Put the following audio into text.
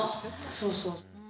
そうそう。